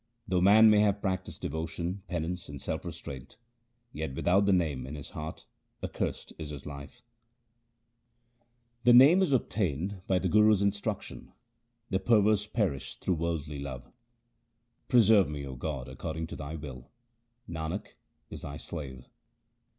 Though man may have practised devotion, penance, and self restraint, yet without the Name in his heart accursed is his life. HYMNS OF GURU AMAR DAS 165 The Name is obtained by the Guru's instruction ; the perverse perish through worldly love. Preserve me, O God, according to Thy will ; Nanak is Thy slave.